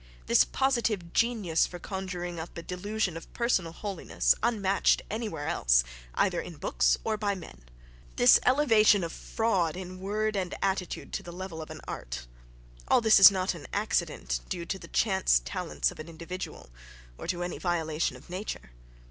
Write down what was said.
This positive genius for conjuring up a delusion of personal "holiness" unmatched anywhere else, either in books or by men; this elevation of fraud in word and attitude to the level of an art—all this is not an accident due to the chance talents of an individual, or to any violation of nature.